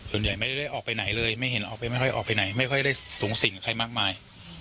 ส่วนใหญ่ไม่ได้ออกไปไหนเลยไม่เห็นออกไปไม่ค่อยออกไปไหนไม่ค่อยได้สูงสิ่งกับใครมากมาย